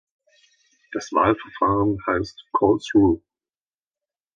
Das Wahlverfahren heißt „Call through“.